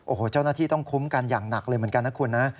โอ้โหเจ้าหน้าที่ต้องคุ้มกันอย่างหนักเลยเหมือนกันนะคุณนะ